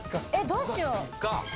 どうしよう。